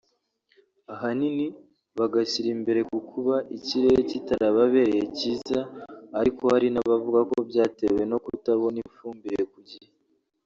ahanini bagashyira imbere kukuba ikirere kitarababereye cyiza ariko hari n’abavuga ko byatewe no kutabona ifumbire ku gihe